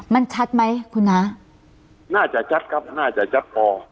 มันชัดไหมคุณน้าน่าจะชัดครับน่าจะชัดพอ